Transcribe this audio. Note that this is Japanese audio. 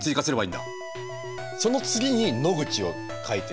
その次に「野口」を書いてる。